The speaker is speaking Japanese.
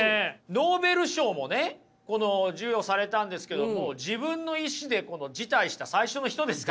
ノーベル賞もね授与されたんですけども自分の意思で辞退した最初の人ですから。